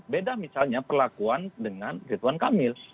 beda misalnya perlakuan dengan ridwan kamil